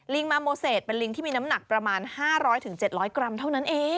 มาโมเศษเป็นลิงที่มีน้ำหนักประมาณ๕๐๐๗๐๐กรัมเท่านั้นเอง